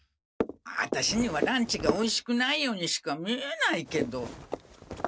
アタシにはランチがおいしくないようにしか見えないけど。